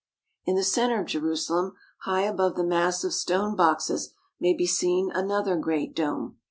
In the center of Jerusalem, high above the mass of stone boxes, may be seen another great dome.